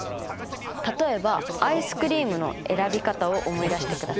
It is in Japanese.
例えばアイスクリームの選び方を思い出してください。